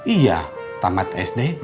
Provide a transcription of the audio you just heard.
iya tamat sd